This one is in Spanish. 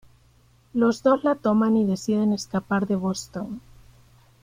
Los dos la toman y deciden escapar de Boston.